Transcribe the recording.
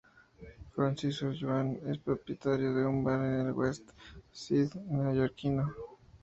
Francis Sullivan es propietario de un bar en el West Side neoyorquino.